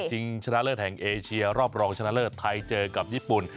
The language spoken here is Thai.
ทิ้งชนะเลอร์แทงเอเชียรอบรองชนะเลอร์ไทยเจอกับญี่ปุ่น